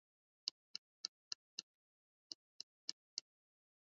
na moja walitumia jina la Sultan japo neno Lukwele peke yake lilitosheleza kusimama badala